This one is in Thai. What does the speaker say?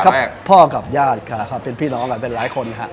ครับพ่อกับญาติค่ะเป็นพี่น้องเป็นหลายคนค่ะ